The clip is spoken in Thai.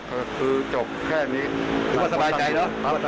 คือจบแค่นี้หรือว่าสบายใจหรอสบายใจครับทางคนต้องอยู่ครับ